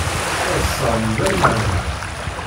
Ttaḍṣaɣ mebla lmeεna.